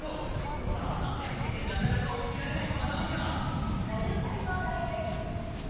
これはあさはやすぎてなかなかおきられないパターンか？